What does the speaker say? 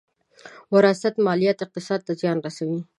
وراثت ماليات اقتصاد ته زیان رسوي.